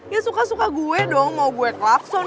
ya suka suka gue dong mau gue klakson